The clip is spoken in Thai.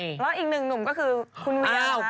แล้วอีกหนึ่งหนุ่มก็คือคุณเวียว